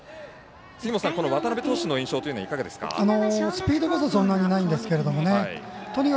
杉本さん、渡邊投手の印象はいかがですか。